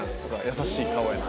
優しい顔やな。